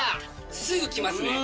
すぐきますね。